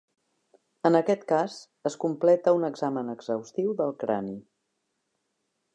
En aquest cas, es completa un examen exhaustiu del crani.